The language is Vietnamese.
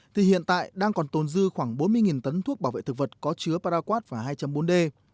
thì hiện tại đang còn tồn dư khoảng bốn mươi tấn thuốc bảo vệ thực vật có chứa paraquad và hai bốn d